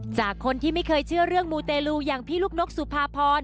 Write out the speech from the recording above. จากคนที่ไม่เคยเชื่อเรื่องมูเตลูอย่างพี่ลูกนกสุภาพร